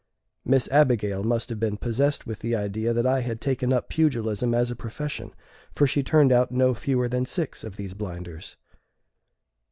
Miss Abigail must have been possessed with the idea that I had taken up pugilism as a profession, for she turned out no fewer than six of these blinders.